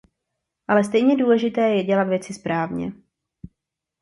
Ale stejně důležité je dělat věci správně.